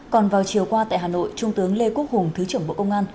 còn vào chiều qua tại hà nội trung tướng lê quốc hùng thứ trưởng bộ công an